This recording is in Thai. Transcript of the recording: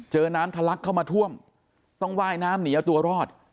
น้ำทะลักเข้ามาท่วมต้องว่ายน้ำหนีเอาตัวรอด